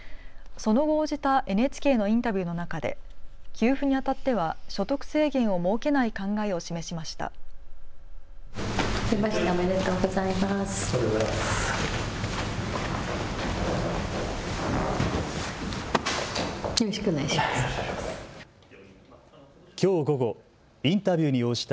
その後、応じたＮＨＫのインタビューの中で給付にあたっては所得制限を設けない考えを示しました。